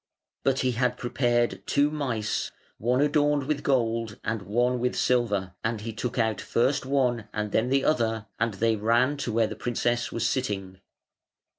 But he had prepared two mice, one adorned with gold and one with silver, and he took out first one and then the other, and they ran to where the princess was sitting.